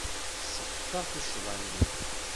Tesseɣta tuccḍa-nni.